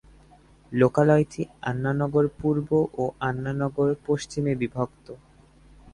লোকালয়টি আন্না নগর পূর্ব ও আন্না নগর পশ্চিমে বিভক্ত।